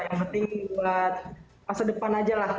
yang penting buat masa depan aja lah